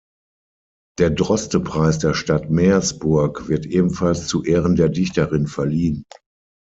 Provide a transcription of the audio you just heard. Der Droste-Preis der Stadt Meersburg wird ebenfalls zu Ehren der Dichterin verliehen.